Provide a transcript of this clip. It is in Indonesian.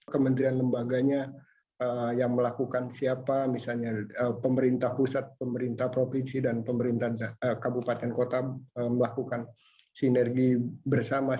kementerian lembaganya yang melakukan siapa misalnya pemerintah pusat pemerintah provinsi dan pemerintah kabupaten kota melakukan sinergi bersama